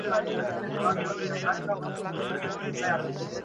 اوس مي بُتکده دزړه آباده ده،